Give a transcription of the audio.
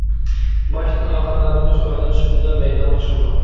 باشتىن-ئاخىر ناتونۇش ئادەم سۈپىتىدە مەيدانغا چىقىدۇ.